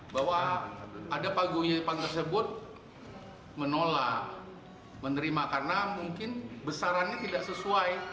bahwa ada paguyupan tersebut menolak menerima karena mungkin besarannya tidak sesuai